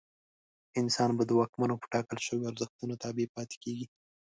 انسان به د واکمنو په ټاکل شویو ارزښتونو تابع پاتې کېږي.